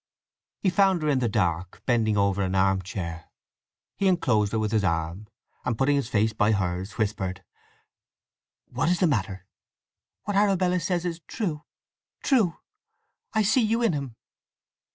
He found her in the dark, bending over an arm chair. He enclosed her with his arm, and putting his face by hers, whispered, "What's the matter?" "What Arabella says is true—true! I see you in him!"